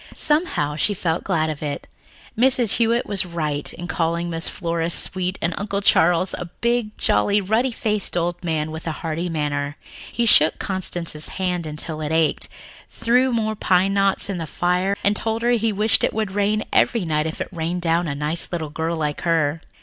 Somehow, she felt glad of it. Mrs. Hewitt was right in calling Aunt Flora sweet, and Uncle Charles was a big, jolly, ruddy faced old man with a hearty manner. He shook Constance's hand until it ached, threw more pine knots in the fire and told her he wished it would rain every night if it rained down a nice little girl like her.